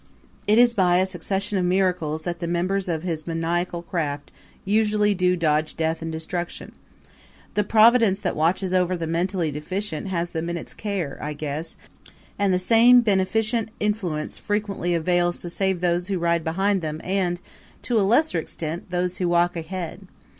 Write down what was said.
It is by a succession of miracles that the members of his maniacal craft usually do dodge death and destruction. The providence that watches over the mentally deficient has them in its care, I guess; and the same beneficent influence frequently avails to save those who ride behind them and, to a lesser extent, those who walk ahead.